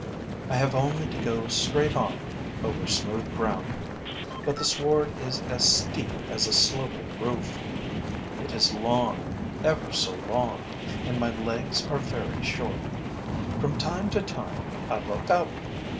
I. have only to go straight on, over smooth ground. But the sward is as steep as a sloping roof. It is long, ever so long; and my legs are very short. From time to time, I look up.